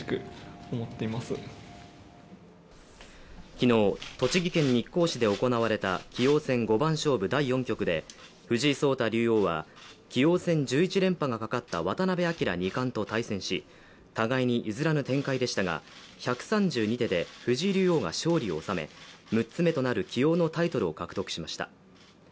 昨日、栃木県日光市で行われた棋王戦五番勝負第４局で、藤井聡太竜王は、棋王戦１１連覇がかかった渡辺明二冠と対戦し互いに譲らぬ展開でしたが１３２手で藤井竜王が勝利を収め、６つめとなる棋王のタイトルを獲得しました。